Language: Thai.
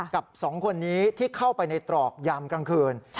กับ๒คนนี้ที่เข้าไปในตรอกยามกลางคืน